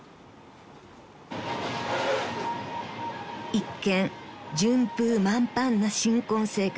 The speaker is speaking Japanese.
［一見順風満帆な新婚生活］